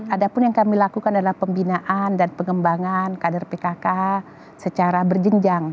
ada pun yang kami lakukan adalah pembinaan dan pengembangan kader pkk secara berjenjang